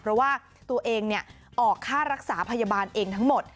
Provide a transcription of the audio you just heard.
เพราะว่าตัวเองออกค่ารักษาพยาบาลเองทั้งหมด